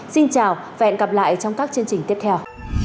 xin chào và hẹn gặp lại trong các chương trình tiếp theo